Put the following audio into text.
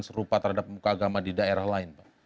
serupa terhadap muka agama di daerah lain pak